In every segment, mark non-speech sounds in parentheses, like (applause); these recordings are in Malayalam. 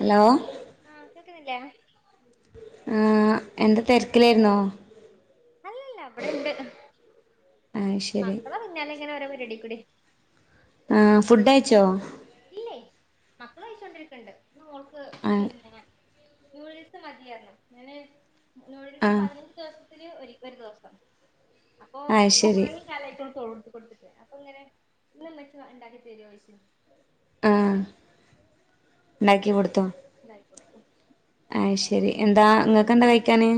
അലോ. ആഹ് കേക്ന്നില്ലേ? ആഹ് എന്താ തെരക്കിലായിര്ന്നോ? അല്ലല്ല. ഇവടെണ്ട്. ആ ശരി മക്കള പിന്നാലെ ഇങ്ങനെ ഓരോ പരിവാടി കൂടി. ആഹ് ഫുഡ്ഡയ്ച്ചോ? ഇല്ലേയ്. മക്കൾ കഴിച്ചൊണ്ടിരിക്ക്ണ്ട്. ഇന്ന് മോൾക്ക് ആ പിന്നെ. നൂഡിൽസ് മതിയർഞ്ഞു ഞാൻ ആ നൂഡിൽസ് പതിനഞ്ച്. ദിവസത്തിൽ ഒരിക്കൊ ഒരു ദിവസം. അപ്പൊ ആ ഇപ്പൊ ശരി മഴ ക്കി കാലായിട്ട് ഓൾക്ക് കൊട്ത്തിട്ട്. അപ്പൊ ങ്ങനെ ഇന്ന് ഇമ്മച്ചി വ ഇണ്ടാക്കി തരാന്നോഴ്ച്ച്ണ്ട്. പ്പ അങ്ങനെ. ണ്ടാക്കി കൊടുത്തു. ണ്ടായി കൊട്ത്തു. അയ് ശരി. എന്താ ങ്ങക്കെന്താ കൈക്കാന്.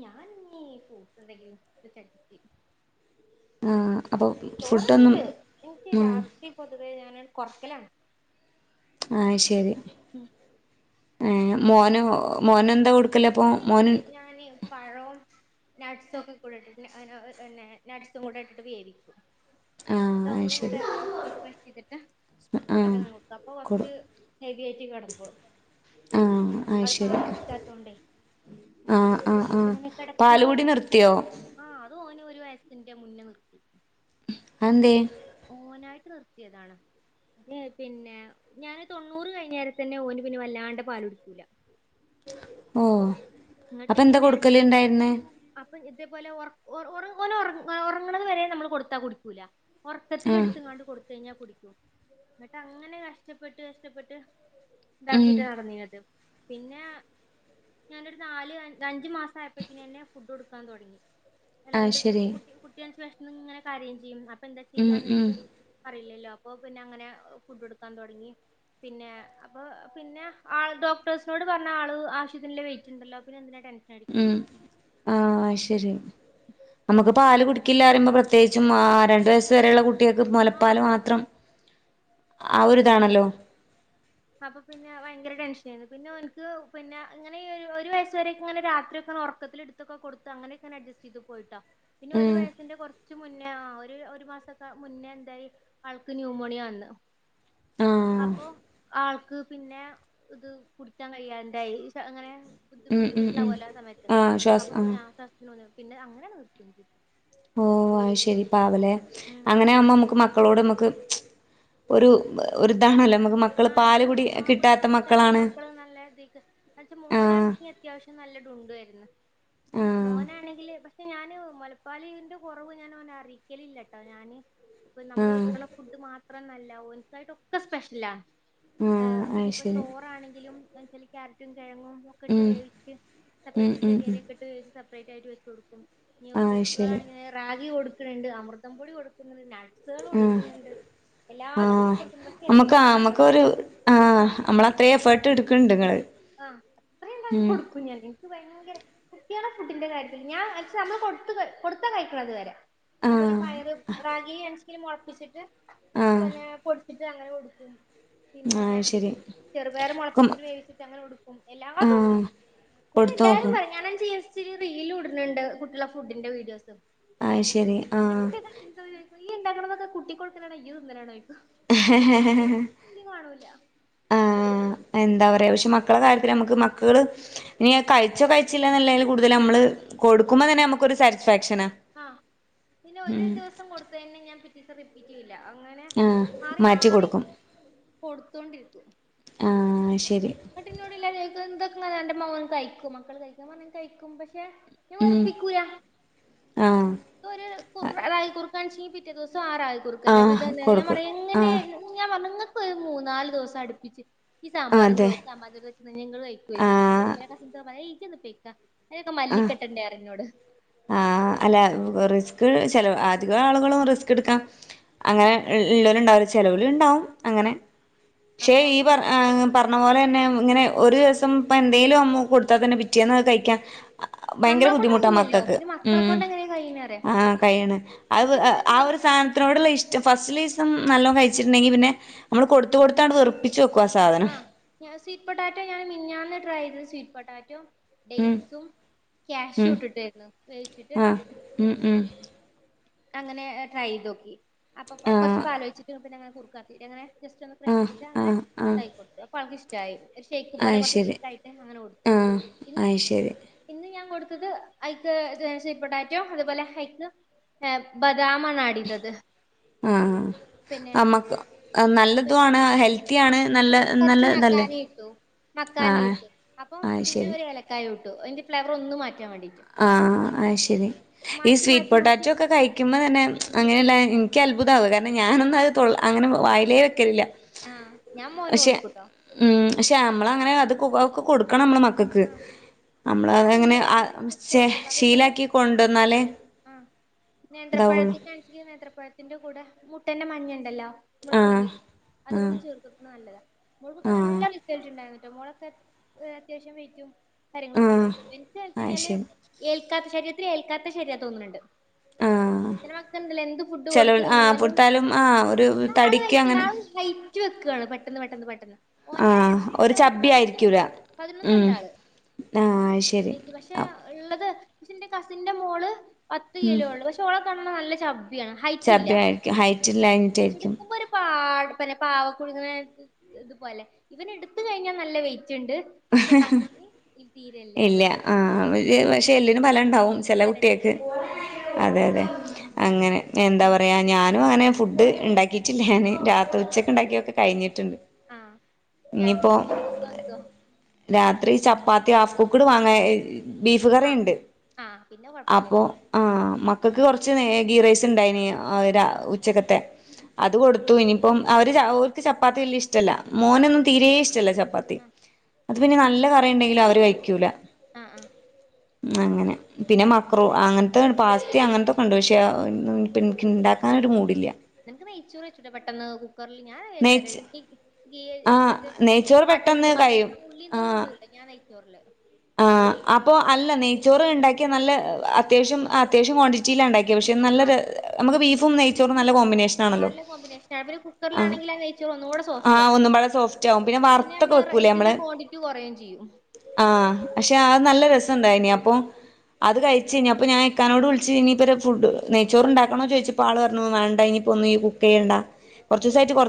ഞാനിഞ്ഞി ഫ്രൂട്സെന്തെങ്കിലും ക്കെ ചട് ആഹ് അപ്പൊ ഫുഡൊന്നും ചോറ്ണ്ട്. ഇനിക്ക് ആ രാത്രി പൊതുവെ ഞാനൺ കൊറക്കലാണ്. ആഹ് ശരി. ഉം ഏഹ് മോനു മോനെന്താ കൊടു മോനിഞ്ഞി ഞാന് പഴോ നട്സൊക്കെ കൂടെട്ടിട്ട് ന്നെ ന നട്സും കൂടെ ഇട്ടിട്ട് വേവിക്കും. ആ ആ ങ്ങാട്ടൊന്ന് ശരി ങ്ങട്ട് മിക്സിൽ ക്രേഷ് ചെയ്തിട്ട് ആ അതങ്ങനെ കൊടുക്ക. അപ്പൊ കൊടു കൊറച്ച് ഹെവി ആയിട്ട് കടന്നോളും ആഹ് ആയ് ശരി. കുടിക്കാത്തോണ്ടേ ആഹ് ആഹ് അപ്പൊ ആഹ് ഇങ്ങനെ കിടക്കുന്നത് ഓന് പാലുകുടി നിർത്തിയോ? ആഹ്. അത് ഓന് ഒരു വയസിന്റെ മുന്ന നിർത്തി. അന്തെയ് ഓനായിട്ട് നിർത്തിയതാണ്. എയ് പിന്നെ ഞാന് തൊണ്ണൂറ് കഴിഞ്ഞേര തന്നെ ഓന് പിന്നെ വല്ലാണ്ട് പാലുടിക്കൂല ഓ എന്നട്ട് അപ്പൊ എന്താ പിന്നെ കൊടുക്കല് ഇണ്ടായിരുന്നെ അപ്പൊ ഇതേപോലെ ഒറ ഒറ ഓനൊരു ഒറങ്ണത് വരെ നമ്മള് കൊടുത്താ കുടിക്കൂല ആ ഒറക്കത്തില്ട്ത്ത്ങ്ങാണ്ട് കൊടുത്തയിഞ്ഞാ കുടിയ്ക്കും. ന്നിട്ട് അങ്ങനെ കഷ്ടപ്പെട്ട് കഷ്ടപ്പെട്ട് ഉം ഇതാക്കിറ്റാ നടന്നീന്നത് പിന്നെ ഞാനൊരു നാല് അഞ്ച് മാസം ആയപ്പോക്കിനന്നെ ഫുഡ് കൊടുക്കാൻ തൊടങ്ങി ആ അല്ലാണ്ട് ശരി കുട്ടിയനച്ചാ ന്ന്ങ്ങനെ കരീം ചിയ്യും അപ്പന്താ ഉം ഉം ചിയ്യാന്ന്ല്ലത് അറില്ലല്ലോ അപ്പൊ പിന്നങ്ങനെ ഫുഡ് കൊട്ക്കാൻ തൊടങ്ങി പിന്നെ അപ്പ പിന്നെ ആൾ ഡോക്ടേഴ്സിനോട് പറഞ്ഞ ആള് ആവശ്യതിന്ള്ള വെയ് റ്റ്ണ്ടല്ലോ പിന്നെന്തിനാ ടെൻ ഉം ആ അയ് ശരി നമ്മക്ക് അപ്പൊ പാല് പിന്നെ കുടി ക്കില്ലറീമ്പ പ്രത്യേകിച്ചുംആ രണ്ടു വയസ്സ് വരെള്ള കുട്ട്യേൾക്ക് ആഹ് മൊലപ്പാല് മാത്രം ആ ഒര് താണല്ലോ അപ്പ പിന്നെ വയങ്കര ടെൻഷനെയ്ന്നു. പിന്നോന്ക് പിന്ന ങ്ങനെ ഈ ഒരു വയസ് വരക്ക ങ്ങനെ രാത്രിയൊക്കെ ഒറക്കത്തില് ഇടു ട്ത്തൊക്ക ക്കൊട്ത്തങ്ങനെകനെ അഡ്ജസ്റ്റീത് പോയിട്ടോ പിന്നൊരു ഉം വയസിന്റെ കൊറ ച്ച് മുന്നേ ആ ഒരു ഒരു മാസക്ക മുന്നേ എന്തായി ആൾക്ക് ന്യൂമോണിയ വന്ന് ആ അപ്പൊ ആൾക്ക് പിന്നെ ഇത് കുടിയ്ക്കാൻ കഴിയാണ്ടായി സ് ങ്ങനെ ബുദ്ധി ഉം ഉം ഉം ബുദ്ധിമുട്ടുണ്ടാവല്ലോ ആ സമയത്ത് അപ്പൊ പി ആ (unintelligible) അങ്ങനെയാണ് നിർത്തത് ഓ അയ് ശരി പാവലെ മ്മ് അങ്ങനെയാകുമ്പോ മ്മക്ക് മക്കളോട് മക്ക് ഒരുഒര്താണല്ലോ മക്ക് ആഹ എനിക്ക് ആ കുിക്കറ്റാത്ത പക്കള നല്ലക്ക് (unintelligible) എന്നച്ച ആ മോളാണെങ്കി അത്യാവശ്യം നല്ല ഡുണ്ടു എര്ന്ന്. ആ മോനാണെങ്കില് പ ശെ ഞാന് മൊലപ്പാലിന്റെ കൊറവ് ഞാനോന റിയിക്കലില്ലട്ടോ ഞാന് ഇപ്പൊ നമ്മള് ആ വെക്കണ ഫുഡ് മാത്രന്നല്ല ഓൻക്കായിട്ടൊക്കെ സ്പെഷ്യല ആ എ ആഹ് അയ് ഞ്ഞിപ്പ ശരി ചോറാണെങ്കിലുംച്ചല് ക്യാരറ്റും കെഴങ്ങും ഒക്കെട്ട് ഉം വേവിച്ച് ഉം സപ്പറേറ്റ് ഉം ഉം ചെറിയരിയൊക്കെട്ട് വേവിച്ച് സപ്പറേറ്റ് ആയിട്ട് വെച്ചോടുക്കും ഇനി ആഹ് ശരി കുറുക്ക്യേളാണെങ്കി റാഗി കൊട്ക്ക്ണ്ണ്ട് അമൃതം പൊടി കൊടുക്കുന്നുണ്ട് നട്ട്സ് സേള് ആഹ് കൊടുക്ക്ന്ന്ണ്ട് എല്ലാതും കൊടുക്കുന്നു പക്ഷെ ഞ്ഞി എത്ര നമ്മൾ ക്ക ഒരു ആ് അമ്മള അത്രേം എഫേർട്ട് ഇട്ക്ക്ണ്ണ്ട് ങ്ങള് ആഹ് അത്രീണ്ടാക്കി കൊടുക്കും ഞാൻ ഇന്ക്ക് ഭയങ്കര കുട്ട്യേളെ ഫുഡിന്റെ കാര്യത്തില് ഞാൻ ന്നച്ച നമ്മള് കൊടുത്ത് കൊടുത്താ കഴിക്കണത് വരെ അതുപോലെ ആഹ് പയര് റാഗിയാണ് ച്ചെലും മുളപ്പിച്ചിട്ട് ആഹ് പിന്നെ പൊടിച്ചിട്ട് അങ്ങനെ കൊട്ക്കും. പിന്നെ ആഹ് ശരി ചെറുപയർ മൊളപ്പിച്ച് വേവിച്ചി ന്ന്ടുകും, എല്ലാതുടുക്കും ആഹ് കൊടുത്ത് ന്ന്ട്ടെല്ലാ രും നോക്കും പറി ഞാൻ ചിൽസില് റീലുട്ണ്ട്. കുട്ട്യാളെ ഫുഡിന്റെ വീഡിയോസൊ അഹ് ശരി, ആഹ് ഇക്ക ചോയ്ക്കും നീ ഇന് ണ്ടാക്ക്‌ണതൊക്കെ, കുട്ടിക്കൊട്ക്കലാണോ ഇയ്യ് തിന്നലാണോയ്ക്കും. ആഹ് എന്താ പറയാ, ക്ഷെ മക്കളെ കാര്യത്തിലമ്മക്ക്‌ മക്കള് ഇനിയഹ് കഴിച്ചോ കഴിച്ചിലേന്നല്ലേലും കൂടുതലമ്മള് ആഹ് കൊടുക്കുമ്പോതന്നെ, മ്മക്കൊരു സാറ്റിസ്ഫാക്ഷനാ. ഹാ, പിന്നെ ഒരു ഉം ദിവസം കൊടുത്ത തന്നെ ഞാൻ പി സം റിപ്പീറ്റെയ്യൂല അങ്ങനെ ആഹ് മാറി മാറ്റി മാറി കൊടുക്കും കൊടുത്തോണ്ടിരിക്കും. ആഹ് ശരി വീട്ടിനുള്ളില്എല്ലാരും ചോയിക്കും ഇതെന്താങ്ങനെ, അന്റെ മൊഖം കഴിക്കൊ മക്കള് കയിക്കൊ? (unintelligible) ഞാമ്പഞ്ഞു കഴിക്കും പക്ഷെ! ന് ഉം വെർപ്പിക്കൂല. ആഹ് തൊര് കുറ് റായിക്കുർക്കാണെങ്കി, പിറ്റേത്തേസം ആ റായികുർക്കെ ന്നെ, ആഹ് ഇതെന്നെ ഞാൻ കൊടുക്കും പറയാ എങ്ങനെ ആഹ് ഞാ പറഞ്ഞു, ങ്ങക്കീ മൂന്നാല് ദിവസം അടുപ്പിച്ച് ഈ സാമ്പാറും ചോ അതെ സാമ്പാദൊക്കൊയ്ച്ചെന്നാ ങ്ങള് കൈക്കോ ഞാന് ആഹ് (unintelligible) അയ് ജൊന്ന് പൊയ്ക്കാ. അയ്നൊക്കെ മല്ലിക്കെട്ടണ്ടേറിം ന്നോട് ആഹ, അല്ല റിസ്ക് ചെലോ അധിക ആളുകളും റിസ്ക്ക്‌ട്ക്കാ അങ്ങനെ ഉള്ളൊല്ണ്ടാവൂല. ചെലോല്ണ്ടാവും അങ്ങനെ ആഹ് ക്ഷെ അപ്പൊ ഈ വർ ആഹ്, പറഞ്ഞ പോലെന്നെ ഇങ്ങനെ ഒരുസം ഇപ്പ എന്തേലും അമ്മു കൊടുത്താതന്നെ പിറ്റേന്നകഴിക്കൻ നമ്മളെ കൊണ്ട് കയ്യില്ലല്ലോ പിന്നെ മക്കളെ ഉം കൊണ്ടെങ്ങനെ കയ്യ്ണറിയ ഇപ്പൊ ഞാൻ ഇന്നലെ - ണത്തോടുള്ള ഇഷ്ടം, ഫസ്റ്റ്ലേസം നല്ലോ കഴിച്ചിട്ട് ണ്ടെങ്കി പിന്നെ, മ്മള് കൊടുത്ത്കൊടുത്താണ്ട് വെറു ചോക്കു ആ സാധനം. ഞാ സ്വീറ്റ് പൊട്ടാറ്റോ, ഞാൻ മിഞ്ഞാന്ന് ട്രൈയെയ്തത് സ്വീറ്റ്പൊട്ടാറ്റോ. ഉം ഡേറ്റ്സും ഉം ക്യാഷും ട്ട്ട്ടെയ്നു വേവിച്ചിട്ട്. ആഹ് ഉം ഉം അങ്ങനെ ട്രൈയെയ്തോക്കി. അപ്പൊ കൊച്ച് ആഹ് പാലോയ്ച്ചിട്ട് പിന്നങ്ങനെ കുറ്ക്കാക്കി എങ്ങനെ, ജസ്റ്റൊന്ന് ആഹ് ക്രഷെയ്തിട്ട് അങ്ങനെ ആഹ് ആഹ് താക്കി കൊടുത്തു. അപ്പോ ആൾക്കിഷ്ട്ടായി. ഒരു ഷേക്ക് പോലെ അത് കൊറച്ച് ശരി തിക്കായിട്ട് അങ്ങനെ കൊടുത്തു ആഹ് പിന്ന അത് ശരി ഇന്ന് ഞാൻ കൊടുത്തത് അയ്ക്ക് സ്വീറ്റ്പൊട്ടാറ്റൊ, അതുപോലെ ഹൈക്ക്- ഹെ ബദാമാണടീത്തത്. ആഹ് അമ്മക്ക് പി നല്ലതുആണ് ആ ആ ഹെൽത്തിയാണ് നല്ല നല്ലതല്ലേ! മക്കാനിട്ടു, അപ്പൊ പിന്നെ ഒരു ഏലക്കായിട്ടു, അയ്ന്റെ ഫ്ലേവർ ഒന്നും മാ ആഹ് അഹ് ശെരി, ഈ മാറ്റി സ്വീറ്റ് മാറ്റി മാറ്റി പൊട്ടാറ്റൊക്കെ കഴി ക്കുന്നന്നെ അങ്ങനെയ്ള്ള ഇൻക്കത്ഭുതാവ. കാരണം ഞാനൊന്നഹ് അങ്ങനെ വായിലേ വെക്കലില്ല. ആഹ്, ഞാൻ മോന് പക്ഷെ കൊടുക്കൂട്ടോ! ഉം ക്ഷെ അമ്മളങ്ങനെ അത്ക്കൊ അതൊക്കെ കൊടുക്കണമ്മള് മ കക്ക് ആ അമ്മളഹ് എങ്ങനെ? അഹ് കൊടുക്കുമ്പതേ പോലെ ആ ഇതാവുള്ളൂ നേന്ത്രപ്പഴത്തിന്റെ ൻസിലീ നേത്രപഴത്തിന്റെ കൂടെ മുട്ടന്റെ മഞ്ഞണ്ടല്ലോ! മ്മള് ആഹ് പുഴുങ്ങിട്ട് ആഹ് അതുംകൂടി ചേർത്തൊട്ക്ക്‌ണ് നല്ലതാ! മോൾ ക്കൊക്കെ ആഹ് നല്ല റ്റാട്ടുണ്ടായിരുന്ന്ട്ടോ, മോളൊക്കെ ഏ അത്യാവശ്യം വെയ്റ്റും കാര്യങ്ങളൊക്കെ ആഹ് ണ്ടായിരുന്നു. അയ് വെയ്റ്റെയ്ച്ചഴിഞ്ഞാല്- ശരി ഏൽക്കാത്ത, ശരീരത്തിലേൽക്കാത്ത ശരിരാ തോന്ന്ണ്ട്. ആഹ് പിന്നെ മക്കണ്ടല്ലോ എന്ത് ഫുഡ് കൊടുത്ത് ചെലോൽ ആഹ് കഴിഞ്ഞാലും കൊടുത്താലും ആഹ് ഒരു (unintelligible) തടിക്ക് അങ്ങനെ റ്റ് വെക്കാണ് പെട്ടന്ന് പെട്ടന്ന് പെട്ടെന്ന് ഓന്റെ ആഹ് ഒരു (unintelligible) ചബ്ബി ആയിരിക്കൂല ഉം ന്ന്ന്ന്ണ്ടാള്. ആഹ് അയ് ശരി വെയ്റ്റ് പക്ഷെ ള്ളത് ക്ഷെ ന്റെ കസിന്റെ മോള്- പത്ത് ഉം കിലോള്ളൂ, പക്ഷെ ഓളെ കാണ നല്ല ചബ്ബിയാണ്. ഹൈറ്റ്ല്ല ചബ്ബി ആയിരിക്കും ഹൈറ്റ് ഇല്ലാഞ്ഞിട്ടായിരിക്കും ഇട്ക്കുമ്പൊര് - പാഴ്പ്പെന്നെ പാവക്കുഴുനെ ഇതുപോലെ ഇവന്ട്ത്ത് കഴിഞ്ഞാ നല്ല വെയിറ്റ്ണ്ട്. ഇല്ല ആഹ് ക്ഷെ എല്ല്ന് ബലണ്ടാവും എല്ലിന് ചെല വെല കുട്ടി ജ് അതെതെ അങ്ങനെ എന്താ പറയാ ഞാ ന്ന് തൊനേം ഫുഡ് ഇണ്ടാക്കി വെച്ചില്ലാന് രാത്രി ഉച്ചക്കിണ്ടാക്കിയക്കെ കഴിഞ്ഞിട്ടുണ്ട് ആഹ രാത്രി ഇനിയിപ്പോ ക്കിനി പുറത്ത്ന്ന് വാങ്ങിക്കോ രാത്രി ചപ്പാത്തി ഹാഫ് കുക്കറ് വാങ്ങ ബീഫ് ആ കറിയുണ്ട് ആ പിന്നെ അപ്പോ കൊഴപ്പല്ലല്ലോ ആഹ മക്കൾക്ക് കൊറച്ച് മാഗ്ഗിറൈസ് ഉണ്ടായിന് ആ ഉച്ചക്കത്തെ അത് കൊടുത്തു ഇനിയിപ്പം അവര് അവർക്ക് ചപ്പാത്തി വലിയ ഇഷ്ടല്ല ആ ആ മോനൊന്നും തീരെ ഇഷ്ടല്ല ചപ്പാത്തി ആഹ് അത് പിന്നെ നല്ല കറിയുണ്ടെങ്കിലും അവര് കഴിക്കൂല ആ ആഹ് അങ്ങനെ പിന്നെ മക്രൂ അങ്ങനത്തെ പാസ്ത അങ്ങനത്തൊക്കെ ഉണ്ട് പക്ഷേ എനക്ക് ഇണ്ടാക്ക അങ്ങനൊ ഒരു മൂഡില്ല നിനക്ക് നെയ്ചോറുവെച്ചൂടെ പെട്ടെന്ന് കുക്കറിൽ നെയ്ച് ഞാനൻക്ക ഗീ ആഹ് ജിച്ചിട്ട് നെയ്ച്ചോറ് പെട്ടെന്ന് പട്ടേൽതു മാത കഴിയും ആ ഉള്ളീതൊന്നും ആഹ് ഇടൂലേ ഞാൻ നയിച്ചോറില് ആ അപ്പൊ അല്ല നെയ്ച്ചോറ് ഉണ്ടാക്കിയ നല്ല അത്യാവശ്യം അത്യാവ്യം ക്വാണ്ടിറ്റി ഉണ്ടാക്കിയ പക്ഷെ നല്ലര ആഹ് നമുക്ക് ബീഫും നെയ്ച്ചോറും നല്ല കോമ്പിനേഷൻ നല്ല കോമ്പിനേഷ ആ അവ ഒരു കുക്കറിലാെങ്കിൽ അ നെയ്‌ച്ചോറ് ഒന്ന് കൂടെ സോഫ്റ്റ് ആ വെക്കാലോ ഒന്നുംകുടെ സോഫ്റ്റ് ആകും പി പിന്നെ നമ്മള് റൈസിന്റെ ക്വാണ്ടിറ്റി കുറയുകയും ചെയ്യും ആഹ് പക്ഷെ ആ നല്ല രസുണ്ടായിനി അപ്പൊ ആഹ് അത് കഴിച്ച ക ഇനി അപ്പ ഞാൻ ഇക്കാനോട് വിളിച്ചച്ച് ഇനി ഇം ഫുഡ് നെയ്ച്ചോറ് ഉണ്ടാക്കണോ ചോദിച്ചപ്പോൾ വരു വേണ്ട ഇനിയിപ്പോ ഒന്ന് ഈ കു ചെയ്യണ്ട കുറച്ച് ദിവസമായിട്ട് കൊ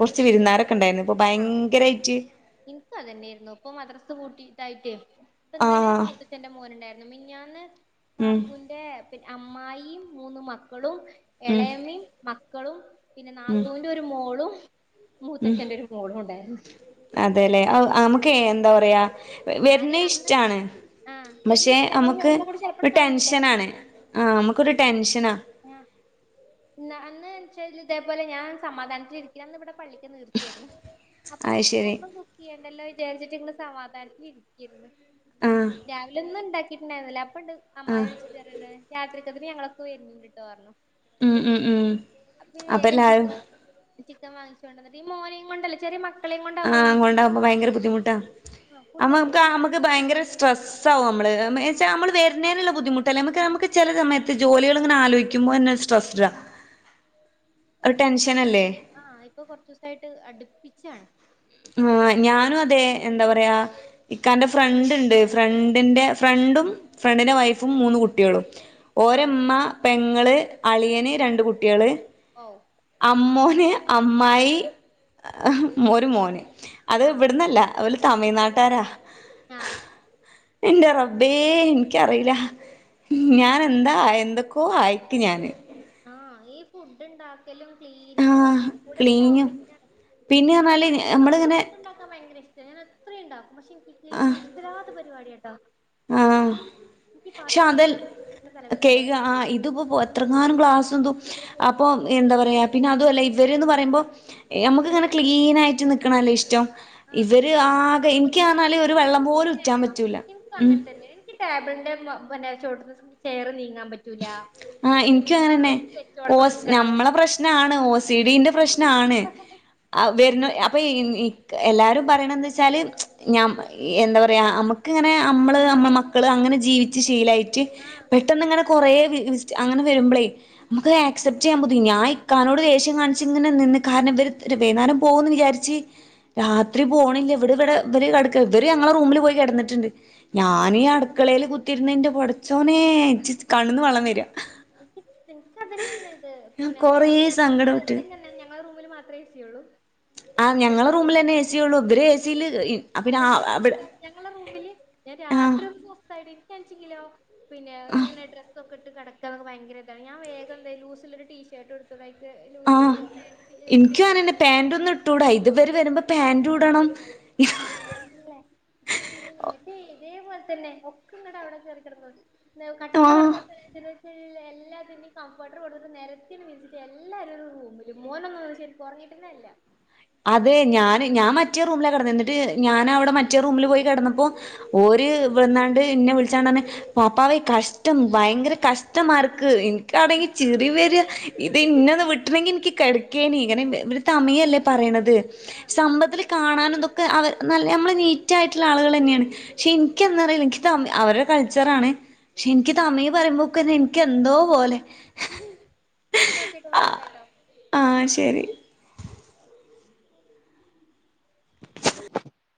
കുറച്ച് വിരുന്നാരൊക്കെ ഉണ്ടായിരുന്നു ഇപ്പൊ ഭയങ്കരയിട്ട് എനിക്ക അതനെയായിരുന്നു ഇപ്പൊ മദ്ര പൂട്ടിട്ടായിട്ടേ ഇപ്പ ആ ഇന്നലെ മുത്ത എന്റെ മോനുണ്ടായിരുന്നു ഉം മിനിഞാന്ന്കാക്കൂൻ പിന്നെ അമ്മായിയും മൂന്ന് മക്കളും ഉം എളയമയും മക്കളും പിന്നെ ഉം നാത്തുന്റെ ഒരു മോളും മൂത്തച്ഛന്റെറെ ഒരു മോളും ഉണ്ടായിരുന്നു അതെല്ലെ നമുക്ക് എന്താ പറയാ ഞാന് വരുന്ന അന്ന് ഇഷ്ടാണ് ആഹ് എന്നെ പക്ഷെ ഇഷ്ടപ്പെെ നമുക്ക് കൂടി ചിലപ്പോഴ ഒരു കഴിയൂല്ലല്ലോ ടെൻഷനാണ് ആഹ് നമുക്കൊരു ടെൻഷനാ ആ അന്ന്ച്ച ഇതേപോലെ ഞാൻ സമാധാനത്തിലിരിക്കന്ന് ഇവിടെ പള്ളി നേർച്ചയായിരുന്നു അപ്പൊ അത് ശരി ചെയ്യണ്ടല്ലോ വിചാരിച്ചിട്ട് ഇങ്ങ സമാധാനത്തി ഇരിക്കിന്ന് ആഹ് രാവിലെ ഒന്ന് ഉണ്ടാക്കി കിട്ടായിരുന്നില്ല അപ്പൊ ഉണ്ട് അമ്മായി ആഹ് വിളിച്ചിട്ട റഞ്ഞു രാത്രിക്കതിന് ഞങ്ങളൊക്കെ വര്ണ്ട്ട്ടോ പറഞ്ഞു ഉം ഉം ഉം അപ്പൊ പിന്നെ വേഗം ചിക്കൻ ചിക്കൻ വാങ്ങിച്ചു കൊണ്ടന്നട്ട ഈ മോനേം കൊണ്ടല്ലേ ചെറിയ മക്ക ആഹഅങ്ങോണ്ടാകുമ്പ ഭയങ്കര ബുദ്ധിമുട്ടാ ആഹ് ഫുള്ള് അക്ക് നമുക്ക് വീട് ഭയങ്കര സ്ട്രെസ് ആകും നമ്മള് എന്നുവെച്ചാ നമ്മൾ വരുന്നതിനുള്ള ബുദ്ധിമുട്ട് അമ്മക്ക് നമുക്ക് ചെലസമയത്ത് ജോലികളിങ്ങനെ ആലോയ്ക്കുമ്പോ തന്നെ സ്ട്രെസ്ഡാ ഒരു ടെൻഷനല്ലേ ആ ഇപ്പൊ കുറച്ച ദിവസയിട്ട് അടുപ്പിച്ചാണ് ആഹാ ഞാനും അതെ എന്താ പറയാ ഇക്കാന്റെ ഫ്രണ്ട് ഉണ്ട് ഫ്രണ്ടിന്റെ ഫ്രണ്ടും ഫ്രണ്ടിന്റെ വൈഫും മൂന്ന് കുട്ടിയളും ആഹ് ഓരമ്മ പെങ്ങൾ അളിയന് രണ്ട് കുട്ടികള് ഔ അമ്മോന് അമ്മായി ഒരു മോന് അത് ആഹ് ഇവിടന്നല്ല ഓല് തമിഴ്നാട്ടാരാ ആഹ് ന്റെ റബ്ബേ എനിക്കറിയില ഞാൻ എന്താ എന്തൊക്കോ ആയിക്ക ഞാന് ആഹ് ഈ ഫുഡ് ണ്ടാക്കലും, ക്ലീനിങ്ങും ഒക്കെ ആഹ് കൂടെ ങ്ങെട്ടാവ്മ്പ ക്ലീനിങ്ങും ഴേക്ക് ഞാൻ പിന്നെ പറഞ്ഞാല് (unintelligible) വൈകിട്ടത്തെ നമ്മളിങ്ങനെ ഫുഡ് ണ്ടാക്കാൻ ഭയങ്കര ഇഷ് ഞാനെ എത്രയും ണ്ടാക്കും. പക്ഷെ ഇൻക്ക് ക്ലീനിങ് ഇഷ്ടല്ലാത്ത പരിപാടിയാട്ടൊ. ആഹ് ഇൻക്ക് ഇ പാത്രം കഴ്‌കാന്ന് തലവേ തലവേദ കറങ്ങും. ഇത്പ്പൊ പൊ എത്രങ്ങാനും ക്ലാസും തും. അപ്പൊ എന്താ പറയാ പിന്നെ അതുവല്ല ഇവര്ന്ന് പറയുമ്പം ഏഹ് അമുക്ക് ങ്ങനെ ക്ലീനായിട്ട് നിക്ക്ണല്ലെ ഇഷ്ടം. ആഹ് ഇവര് ആകെ അതൊക്കെ ഇൻക്യാന്നാല് ഒരു വെള്ളം പോലും ഉറ്റാം പറ്റൂല. ൻക്കും ഉം അങ്ങൻതന്നെ. എനിക്ക് ടേബ്ൾന്റെ മൊ പിന്നെ ചോട്ട്ന്ന് ചെയറ് നീങ്ങാം പറ്റൂലാ. ആഹ് ഇൻക്കും അങ്ങനെന്നെ. ഓസ് ഞമ്മളെ പ്രശ്നാണ്. ഓസിഡിന്റെ പ്രശ്നാണ്. ആ വെര്നൊ അപ്പൊ ഇൻ ഇക്ക് എല്ലാരും പറയണെന്നെച്ചാല് ഞാമ് എന്താ പറയാ അമ്മ ക്ക് ങ്ങനെ അമ്മള് അമ്മളെ മക്കള് അങ്ങനെ ജീവിച്ച് ശീലായി. റ്റ്. ആഹ് പെട്ടന്ന്ങ്ങനെ കൊറേ വി വിസ്റ്റ് അങ്ങനെ വരുമ്പളെ അമക്ക് ഏ ക്സെപ്റ്റെയ്യാ പുതി ഞാ ഇക്കനോട് ദേശ്യം കാൺച്ച് ങ്ങനെ നിന്ന് കാരണം വെര് ത്തെര് വൈന്നേരം പോവൂന്ന് വിചാരിച്ച് രാത്രി പോണില്ല വ്ടെ വെടെ വെര് കെടക്കാ. വെര് ഞങ്ങളെ റൂമില് പോയി കെടന്ന്ട്ട് ണ്ട്. ആഹ് ഞന് ഈ അട്ക്കളേല് കുത്തി ര്ന്ന്ന്റെ പട്ച്ചോനേ ഇൻച്ച് കണ്ണ്ന്ന് വള്ളം വെരാ. ഇൻക്കി ഇൻക്ക് അതെന്നേണ്ത്. പിന്നെത്തെ കൊറേ അപ്പൊ ഞങ്ങ സങ്കടപ്പെട്ട് വ്ടെ ങ്ങെന്നെ. ഞങ്ങളെ റൂമില് മാത്രേ ഏ സി യൊള്ളു. ആഹ് ഞങ്ങളെ റൂമിലെന്നെ ഏ സി യൊള്ളു. വെര് ഏ സീല് ഇ അപ്പ പിന്നെ ആ അതന്നെ വ്ടെ സംസ്കാരം ഞങ്ങളെ റൂമില് ഞാ രാത്രി ഒന്ന് സ്വസ്ത്തായിട്ട് ഇൻക്യാണിച്ചങ്കിലൊ പിന്നെ ങ്ങനെ ഡ്രസ് ക്കെട്ട് കെടക്കാന്നൊക്കെ ഭയങ്കര തണ്. ഞാ വേഗം ന്തെയ്യും ലൂസ് ള്ളൊര് ടിഷേർട്ട് ആഹ്. ത്രീ ഇൻക്കും ആനന്നെ. ഫോർത്തൊക്കെ ആയിരിക്കും പാന്റ് ഒന്നും ഇട്ടൂടാ. ഇത് വെര് വരുമ്പൊ പാന്റു ഇടണം. ഇ ല്ലെ. അപ്പ അങ്ങനെ ന്നട്ടേ ഇതേപോൽ തന്നെ. ഒക്കെ ങ്ങട അ വ്ടെ കേർ കെടന്നൊ കട്ടിൽമെ ആഹ് കെടക്കാൻ സ്ഥലല്ലാഞ്ഞിട്ട് (inaudible) ല്ലാത്തിന്റിം കംഫർട്ടർ കൊട്ന്ന്ട്ട് നെരത്തിന് വിരിച്ചിറ്റ് എല്ലാരും ഒര് റൂമിലും. മോനൊന്നും ശെരിക്കു ഒർങ്ങിട്ടനല്ല. അതെ ഞാന് ഞാൻ മറ്റേ റൂമ് ലാ കെടന്നെ. എന്നിട്ട് ഞാനവ്ടെ മറ്റേ റൂമില് പോയി കെടന്നപ്പൊ ഓര് വെന്നാണ്ട് ഇന്നെ വിൾച്ചാ ണ്ടർഞ്ഞ് പാപ്പാവെ കഷ്ടം ഭയങ്കര കഷ്ടമാർക്ക് ഇ ൻക്കണെങ്കി ചിറിവെരാ. ഇത് ഇന്നൊന്ന് വിട്ട്ണെങ്കി ഇൻക്ക് കെടക്കേനി. ങ്ങനെ വെര് തമിഴല്ലെ പറയിണത്. ആഹ് സ്തഭത്തില് കാണാനുംതൊക്കെ അവ നല്ല അമ്മള് നീറ്റായിട്ട്ള്ള ആള്കളെന്നേണ്. പക്ഷെ ഇൻക്ക് എന്നാറിയില ഇൻക്ക് തമി അവര് കൾച്ചറാണ്. പക്ഷെ ഇൻക്ക് തമിഴ് പറയുമ്പൊക്കെ ന്നെ ഇൻക്ക് എന്തോ പോലെ. ന്നാ ഓക്കെട്ടൊ ആഹ് വിളിക്യാ ട്ടൊ. ആഹ്. ശരി (inaudible)